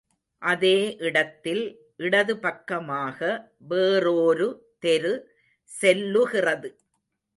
அதே இடத்தில் இடது பக்கமாக வேறோரு தெரு செல்லுகிறது.